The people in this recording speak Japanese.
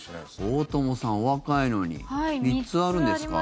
大友さん、お若いのに３つあるんですか？